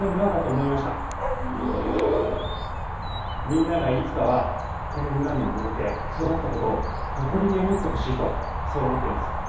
みんながいつかはこの村に生まれて育ったことを誇りに思ってほしいとそう思っています。